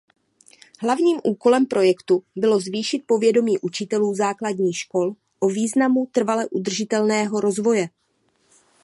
Hlavním úkolem projektu bylo zvýšit povědomí učitelů základních škol o významu trvale udržitelného rozvoje.